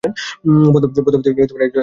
পদ্মাবতী একজন অত্যন্ত সম্মানিত শিক্ষক।